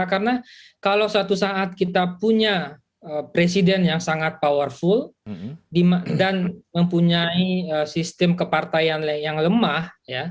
karena kalau suatu saat kita punya presiden yang sangat kuat dan mempunyai sistem kepartaian yang lemah